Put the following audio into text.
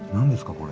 これ。